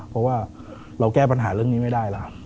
เพราะว่าเราแก้ปัญหาเรื่องนี้ไม่ได้แล้วครับ